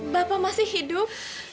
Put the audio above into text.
bapak masih hidup